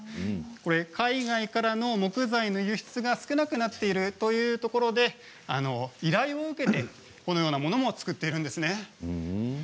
これは海外からの木材の輸出が少なくなっているというところで依頼を受けて、このようなものも作っているんですね。